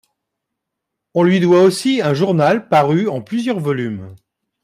On lui doit aussi un journal paru en plusieurs volumes.